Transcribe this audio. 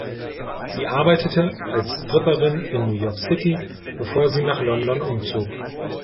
Sie arbeitete als Stripperin in New York City, bevor sie nach London umzog.